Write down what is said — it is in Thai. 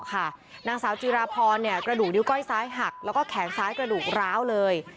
นางสาวจิราพรกระดูกนิ้วก้อยซ้ายหักแล้วก็แขนซ้ายกระดูกร้าวเลย